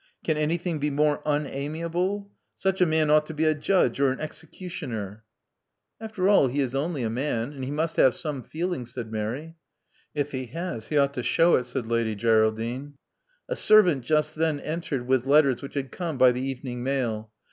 Can anything be more unamiable? Such a man ought to be a judge, or an executioner." 294 Love Among the Artists After all, he is only a man; and he must have some feeling, said Mary. *' If he has he ought to show it, '' said Lady Geraldine. A servant just then entered with letters which had come by the evening mail.